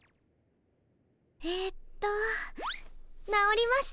えっと直りました。